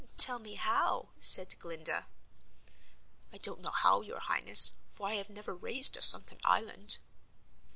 "Tell me how?" said Glinda. "I don't know how, your Highness, for I have never raised a sunken island."